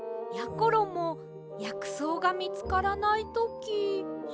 ころもやくそうがみつからないとき。